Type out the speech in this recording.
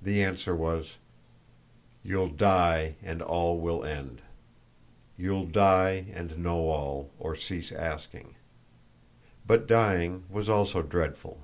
The answer was: "You'll die and all will end. You'll die and know all, or cease asking." But dying was also dreadful.